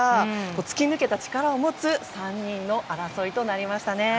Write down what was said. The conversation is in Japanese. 突き抜けた力を持つ３人の争いとなりましたね。